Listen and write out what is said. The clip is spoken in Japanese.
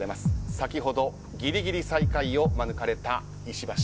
先ほど、ぎりぎり最下位を免れた石橋。